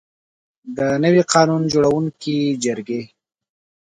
د نوي قانون جوړوونکي جرګې.